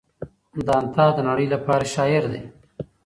دانته د نړۍ لپاره شاعر دی.